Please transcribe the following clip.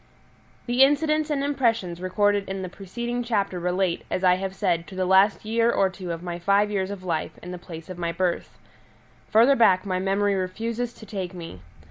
The incidents and impressions recorded in the preceding chapter relate, as I have said, to the last year or two of my five years of life in the place of my birth. Further back my memory refuses to take me.